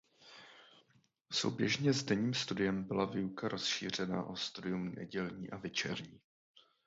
Souběžně s denním studiem byla výuka rozšířena o studium nedělní a večerní.